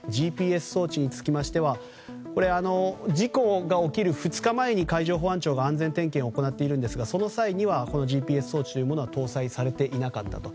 ＧＰＳ装置につきましては事故が起きる２日前に海上保安庁が安全点検を行っているんですがその際にはＧＰＳ装置は搭載されていなかったと。